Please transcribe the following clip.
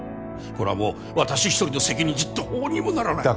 これはもう私ひとりの責任じゃどうにもならない。